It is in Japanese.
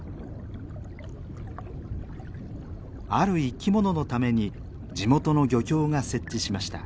ある生きもののために地元の漁協が設置しました。